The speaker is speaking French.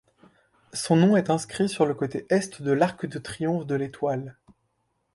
Son nom est inscrit sur le côté est de l'arc de triomphe de l'Étoile.